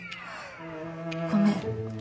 ごめん。